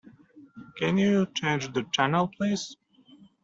Can you change the channel, please?